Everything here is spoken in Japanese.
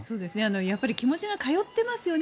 やっぱり気持ちが通っていますよね